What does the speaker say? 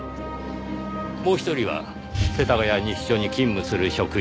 もう一人は世田谷西署に勤務する職員。